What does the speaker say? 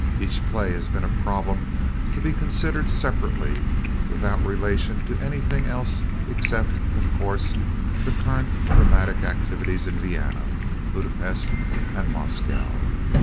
Each play has been a problem to be considered separately without relation to anything else except, of course, the current dramatic activities in Vienna, Budapest and Moscow.